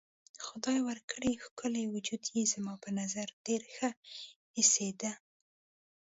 خدای ورکړی ښکلی وجود یې زما په نظر ډېر ښه ایسېده.